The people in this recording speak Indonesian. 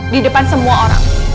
di depan semua orang